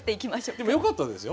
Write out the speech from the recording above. でもよかったですよ。